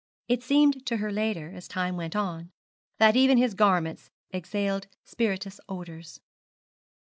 It seemed to her later, as time went on, that even his garments exhaled spirituous odours.